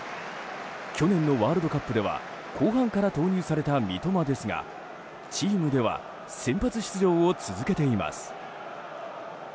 去年のワールドカップでは後半から投入された三笘ですがチームでは先発出場を続けています。